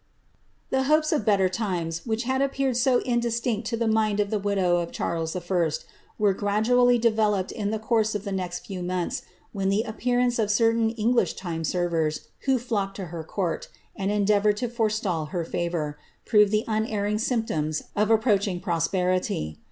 The hopes of better times, which had appeared so indistinct to the mind of the widow of Charles I., were gradually developed in the course of the next few months, when the appearance of certain English tim^ sen'ers, who flocked to her coitrt^and endeavoured to forestal her iavonr, proved the unerring symptoms of approaching prosperity.